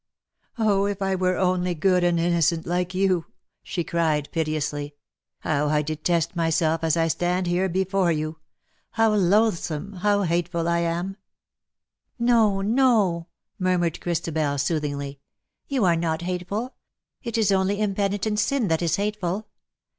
" Oh, if I were only good and innocent like you V she cried, piteously; "how I detest myself as I stand here before you !— how loathsome — how hateful I am V' '^No, no," murmured Christabel, soothingly, *' you are not hateful : it is only impenitent sin that is hateful.